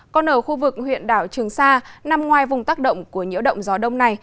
còn ở khu vực huyện đảo trường sa nằm ngoài vùng tác động của nhiễu động gió đông này